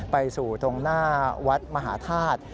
ไปสู่ตรงหน้าวัดมหาธาตุ